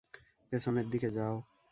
পেছনের দিকে যাও!